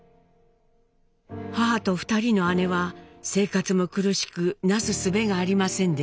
母と２人の姉は生活も苦しくなすすべがありませんでした。